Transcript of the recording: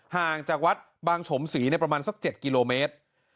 ห่างจากวัดบางฉมศรีประมาณสัก๗กิโลเมตร